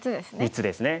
３つですね。